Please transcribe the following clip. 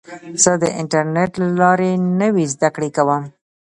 زه د انټرنیټ له لارې نوې زده کړه کوم.